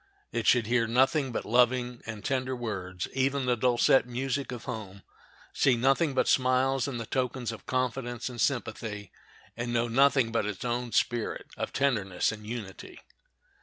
It should hear nothing but loving and tender words, even the dulcet music of home; see nothing but smiles and the tokens of confidence and sympathy, and know nothing but its own spirit of tenderness and unity.